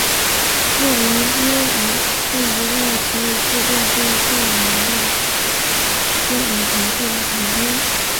对联机是一类可以自动对对联的电脑程序的统称。